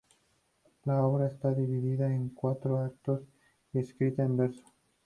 La obra está dividida en cuatro actos y escrita en verso.